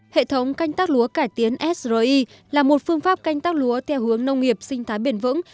hệ thống canh tác lúa cải tiến sri là một phương pháp canh tác lúa theo hướng nông nghiệp sinh thái bền vững